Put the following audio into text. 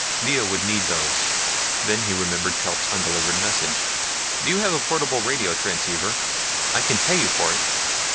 Lea would need those. Then he remembered Telt's undelivered message. "Do you have a portable radio transceiver? I can pay you for it."